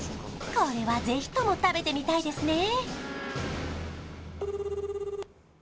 これはぜひとも食べてみたいですね